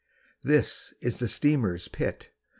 "This is the steamer's pit.